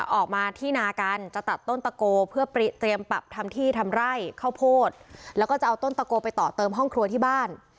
ออกมาที่นากันจะตัดต้นตะโกเพื่อเตรียมปรับทำที่ทำไร่ข้าวโพดแล้วก็จะเอาต้นตะโกไปต่อเติมห้องครัวที่บ้าน